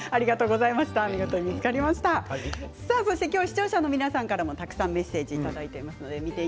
今日、視聴者の皆さんからも、たくさんメッセージをいただいています。